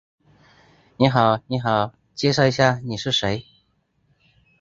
He goes to Sing Sing to do so.